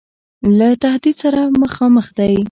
له تهدید سره مخامخ دی.